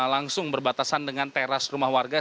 langsung berbatasan dengan teras rumah warga